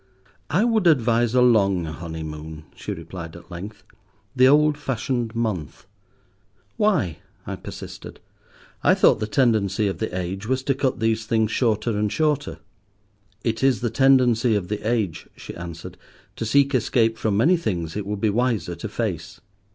"I would advise a long honeymoon," she replied at length, "the old fashioned month." "Why," I persisted, "I thought the tendency of the age was to cut these things shorter and shorter." "It is the tendency of the age," she answered, "to seek escape from many things it would be wiser to face.